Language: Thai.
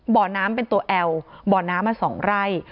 บ่อน้ำเป็นตัวแอลบ่อน้ำมา๒ไร่